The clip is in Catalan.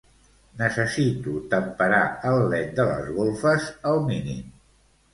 Necessito temperar el led de les golfes al mínim.